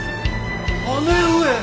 姉上！